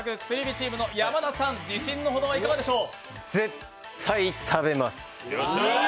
チームの山田さん、自信のほどはいかがでしょう？